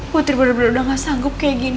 putri bener bener udah gak sanggup kayak gini